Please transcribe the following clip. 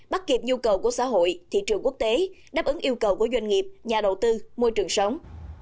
bắt kịp nhu cầu của xã hội thị trường quốc tế đáp ứng yêu cầu của doanh nghiệp nhà đầu tư môi trường sống